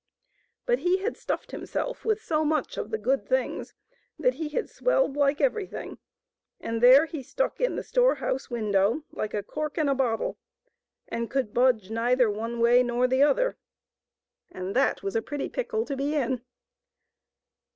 But he had stuffed himself with so much of the good things that he had swelled like everything, and there he stuck in the storehouse window like a cork in a bottle, and could budge neither one way nor the other ; and that was a pretty pickle to be in.